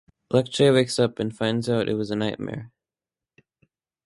Lecce wakes up and finds out it was a nightmare.